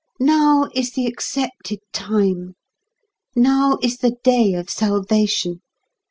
Now is the accepted time; now is the day of salvation.